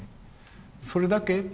それだけ？